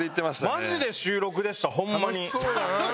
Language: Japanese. マジで週６でしたホンマに。